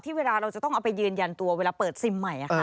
เวลาเราจะต้องเอาไปยืนยันตัวเวลาเปิดซิมใหม่